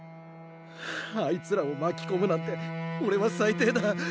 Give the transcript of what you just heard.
あいつらを巻きこむなんておれは最低だ。